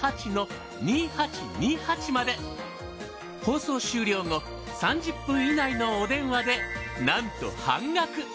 放送終了後３０分以内のお電話でなんと半額。